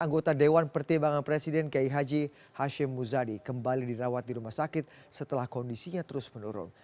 anggota dewan pertimbangan presiden kiai haji hashim muzadi kembali dirawat di rumah sakit setelah kondisinya terus menurun